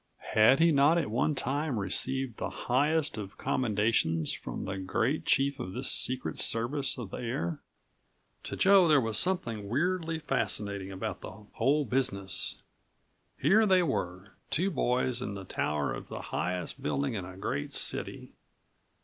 Had he not at one time received the highest of commendations from the great chief of this secret service of the air? To Joe there was something weirdly fascinating about the whole business. Here they were, two boys in the tower of the highest building in a great city.